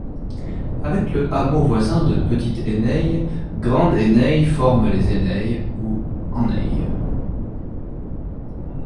Avec le hameau voisin de Petite-Eneille, Grande-Eneille forme les Enneilles ou Enneilles.